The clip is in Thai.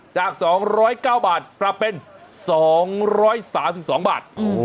จาก๒๐๙บาทปรับเป็น๒๓๒บาท